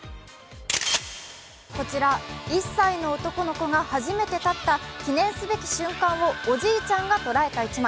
こちら１歳の男の子が初めて立った記念すべき瞬間をおじいちゃんが捉えた１枚。